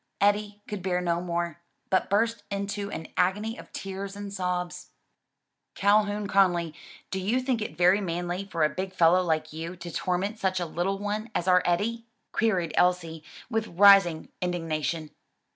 Eddie could bear no more, but burst into an agony of tears and sobs. "Calhoun Conly, do you think it very manly for a big fellow like you to torment such a little one as our Eddie?" queried Elsie, with rising indignation.